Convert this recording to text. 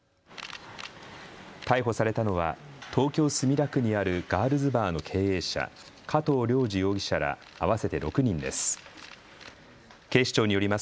逮捕されたのは東京墨田区にあるガールズバーの経営者、加藤亮二容疑者ら合わせて６人です。